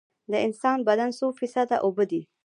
د انسان بدن څو فیصده اوبه دي؟